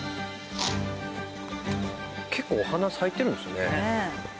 結構お花咲いてるんですね。